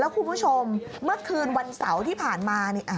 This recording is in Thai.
คุณผู้ชมเมื่อคืนวันเสาร์ที่ผ่านมา